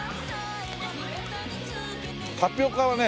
タピオカはね